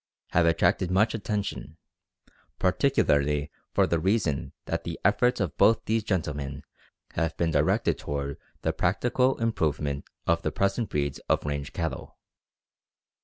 have attracted much attention, particularly for the reason that the efforts of both these gentlemen have been directed toward the practical improvement of the present breeds of range cattle.